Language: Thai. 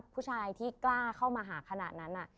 ผู้ชายที่กล้าเข้ามาหาขนาดนั้น